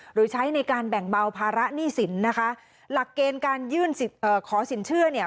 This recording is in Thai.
หรือใช้ในการแบ่งเบาภาระหนี้สินนะคะหลักเกณฑ์การยื่นเอ่อขอสินเชื่อเนี่ย